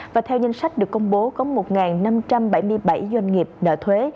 và theo danh sách được công bố có một năm trăm bảy mươi bảy doanh nghiệp nợ thuế